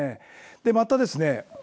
またですね。